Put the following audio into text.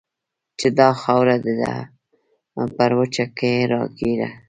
چې دا خاوره ده پر وچه کې راګېره